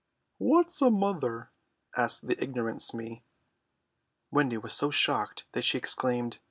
"What's a mother?" asked the ignorant Smee. Wendy was so shocked that she exclaimed.